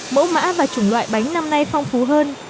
mẫu mã và chủng loại bánh năm nay phong phú hơn